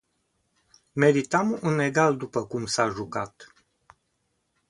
Meritam un egal după cum s-a jucat.